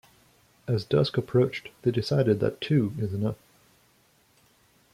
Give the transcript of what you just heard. As dusk approached, they decided that 'two is enough.